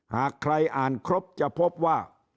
หากใครอ่านครบจะพบว่า